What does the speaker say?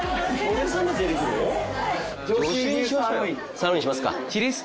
サーロインにしますか。